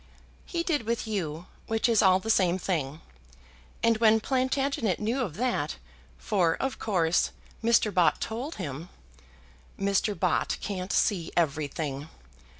"He did with you, which is all the same thing. And when Plantagenet knew of that, for, of course, Mr. Bott told him " "Mr. Bott can't see everything."